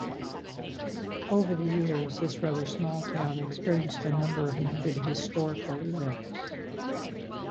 Over the years, this rather small town experienced a number of noted historical events.